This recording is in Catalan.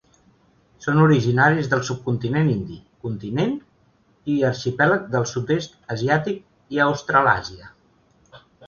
Són originaris del subcontinent indi, continent i arxipèlag del sud-est asiàtic i Australàsia.